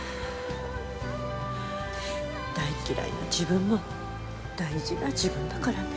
大嫌いな自分も大事な自分だからね。